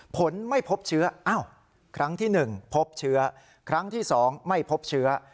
ผลไม่พบเชื้ออ้าวครั้งที่๑พบเชื้อครั้งที่๒ไม่พบเชื้อ